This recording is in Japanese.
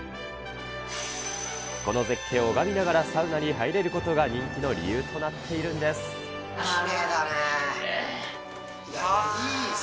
この絶景を拝みながらサウナに入れることが人気の理由となっていきれいだね。